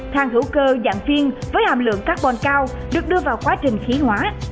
thang hữu cơ dạng viên với hàm lượng carbon cao được đưa vào quá trình khí hóa